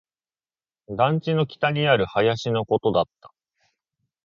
団地の北にある林のことだった